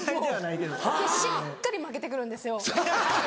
でしっかり負けて来るんですよ。